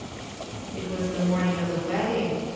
It was the morning of the wedding.